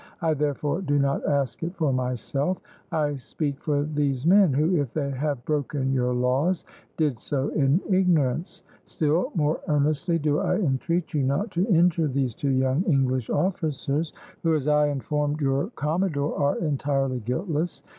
I, therefore, do not ask it for myself; I speak for these men, who if they have broken your laws did so in ignorance; still more earnestly do I entreat you not to injure these two young English officers, who, as I informed your commodore, are entirely guiltless.